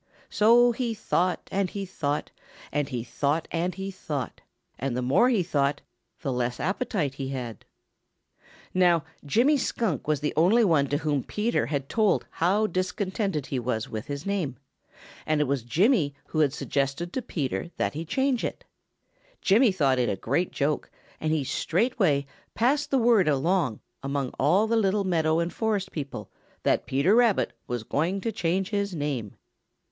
So he thought and he thought and he thought and he thought. And the more he thought the less appetite he had. Now Jimmy Skunk was the only one to whom Peter had told how discontented he was with his name, and it was Jimmy who had suggested to Peter that he change it. Jimmy thought it a great joke, and he straightway passed the word along among all the little meadow and forest people that Peter Rabbit was going to change his name.